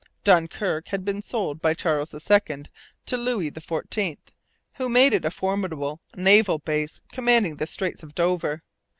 Dunkirk had been sold by Charles II to Louis XIV, who made it a formidable naval base commanding the straits of Dover.